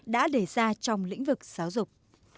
đã để ra trong lĩnh vực giáo dục